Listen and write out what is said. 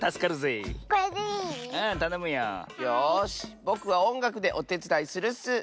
よしぼくはおんがくでおてつだいするッス！